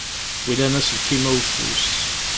Wilan aselkim-a ufus?